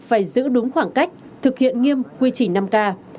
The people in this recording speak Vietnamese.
phải giữ đúng khoảng cách thực hiện nghiêm quy trình năm k